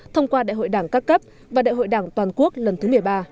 thông qua đại hội đảng các cấp và đại hội đảng toàn quốc lần thứ một mươi ba